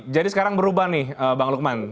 jadi sekarang berubah nih bang lukman